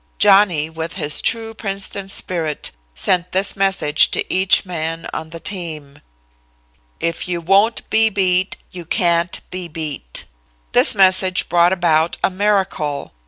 Johnny, with his true Princeton spirit, sent this message to each man on the team: "'If you won't be beat, you can't be beat.'" "This message brought about a miracle.